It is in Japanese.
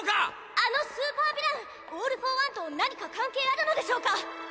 あのスーパーヴィランオール・フォー・ワンと何か関係あるのでしょうか？